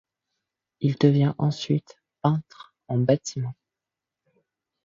Il devient ensuite peintre en bâtiment.